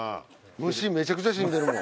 虫めちゃくちゃ死んでるもん。